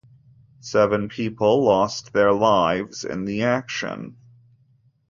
Seven people lost their lives in this action.